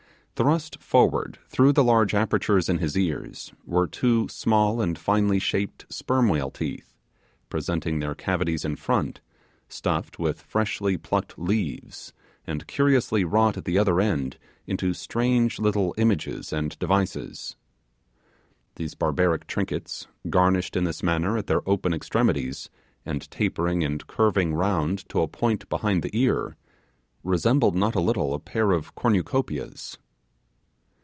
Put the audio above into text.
Thrust forward through the large apertures in his ears were two small and finely shaped sperm whale teeth, presenting their cavities in front, stuffed with freshly plucked leaves, and curiously wrought at the other end into strange little images and devices. These barbaric trinkets, garnished in this manner at their open extremities, and tapering and curving round to a point behind the ear, resembled not a little a pair of cornucopias.